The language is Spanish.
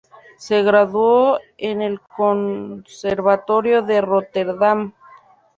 Se graduó en el Conservatorio de Róterdam.